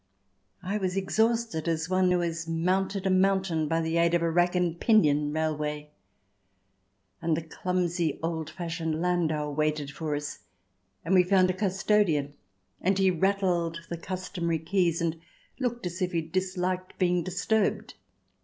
I was exhausted, as one who has mounted a mountain by the aid of a rack and pinion railway. And the clumsy, old fashioned landau waited for us, and we found a custodian, and he rattled the customary keys and looked as if he disliked being disturbed.